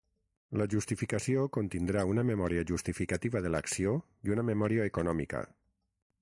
La justificació contindrà una memòria justificativa de l'acció i una memòria econòmica.